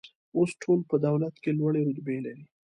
اوس ټول په دولت کې لوړې رتبې لري.